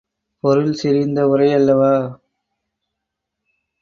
பொருள் செறிந்த உரையல்லவா?